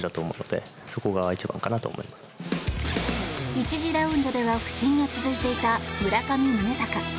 １次ラウンドでは不振が続いていた村上宗隆。